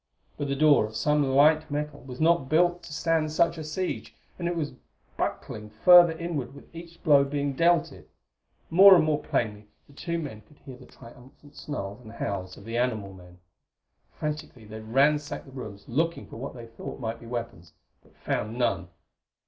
But the door, of some light metal, was not built to stand such a siege, and was buckling further inward with each blow being dealt it. More and more plainly the two men could hear the triumphant snarls and howls of the animal men. Frantically they ransacked the rooms looking for what they thought might be weapons, but found none.